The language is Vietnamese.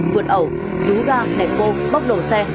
vượt ẩu rú ra nẹt cô bóc đầu xe